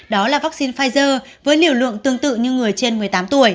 đó là vắc xin pfizer với liều lượng tương tự như người trên một mươi tám tuổi